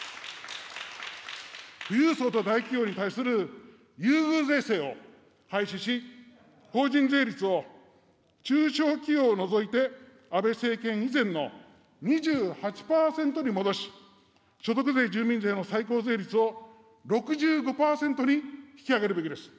富裕層と大企業に対する優遇税制を廃止し、法人税率を中小企業を除いて安倍政権以前の２８％に戻し、所得税、住民税の最高税率を６５％に引き上げるべきです。